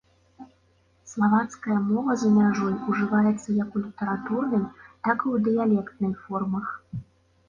Славацкая мова за мяжой ужываецца як у літаратурнай, так і ў дыялектнай формах.